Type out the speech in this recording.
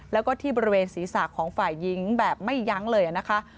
แล้วก็ที่บริเวณศีรษะของฝ่ายหญิงแบบไม่ยั้งเลยนะคะ